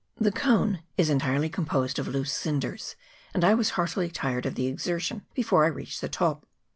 The cone is entirely composed of loose cinders, and I was heartily tired of the exertion before I reached the top.